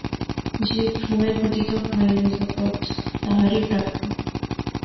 যে ভ্রমে পতিত হয়, ঋতপথ তাহারই প্রাপ্য।